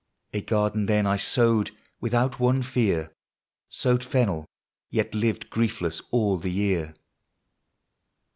A garden then I sowed without one fear, — Sowed fennel, yet lived griefless all the year.